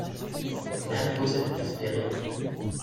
Merkos est désespéré.